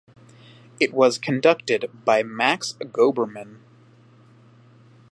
It was conducted by Max Goberman.